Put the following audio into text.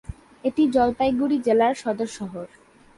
এটি জলপাইগুড়ি জেলার সদর শহর।